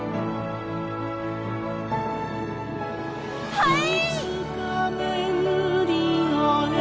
はい！